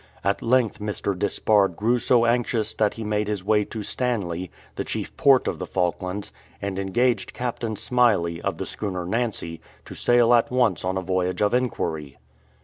At length Mr. Despard grew so anxious that he made his way to Stanley, the chief port of the Falklands, and engaged Captain Smyley, of the schooner Nancy^ to sail at once on a voyage of inquiry.